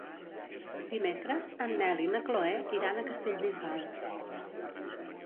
Dimecres en Nel i na Chloé iran a Castellbisbal.